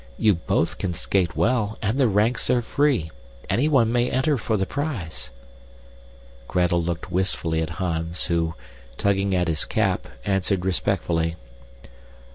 You both can skate well, and the ranks are free. Anyone may enter for the prize." Gretel looked wistfully at Hans, who, tugging at his cap, answered respectfully.